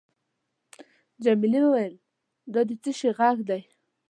جميلې وويل:: دا د څه شي ږغ دی؟